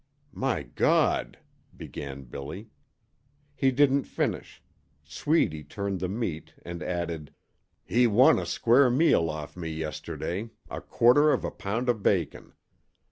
"My God " began Billy. He didn't finish. Sweedy turned the meat, and added: "He won a square meal off me yesterday a quarter of a pound of bacon.